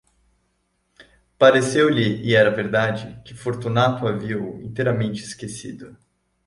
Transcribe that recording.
Pareceu-lhe, e era verdade, que Fortunato havia-o inteiramente esquecido.